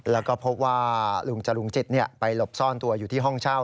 แล้วก็พบว่าลุงจรุงจิตไปหลบซ่อนตัวอยู่ที่ห้องเช่า